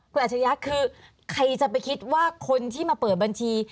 คุณอัจฉริยะคือใครจะไปคิดว่าคนที่มาเปิดบัญชี